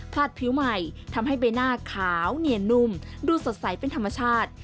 ดผิวใหม่ทำให้ใบหน้าขาวเนียนนุ่มดูสดใสเป็นธรรมชาติ